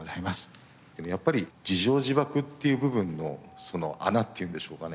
やっぱり自縄自縛っていう部分の穴っていうんでしょうかね